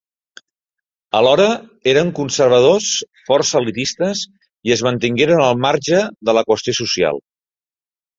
Alhora, eren conservadors, força elitistes i es mantingueren al marge de la qüestió social.